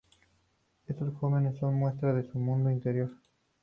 Estos jóvenes nos muestran su mundo interior.